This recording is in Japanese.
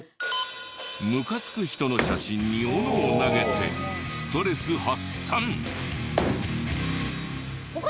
むかつく人の写真にオノを投げてストレス発散。